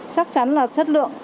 chắc chắn là chất lượng